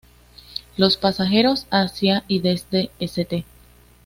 Los pasajeros hacia y desde St.